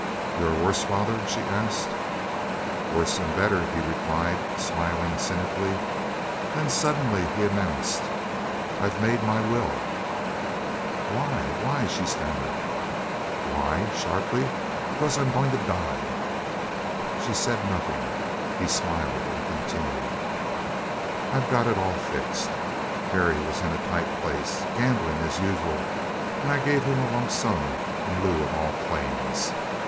"You are worse, father?" she asked. "Worse and better," he replied, smiling cynically. Then suddenly he announced: "I've made my will." "Why why " she stammered. "Why?" sharply. "Because I'm going to die." She said nothing. He smiled and continued: "I've got it all fixed. Harry was in a tight place gambling as usual and I gave him a lump sum in lieu of all claims.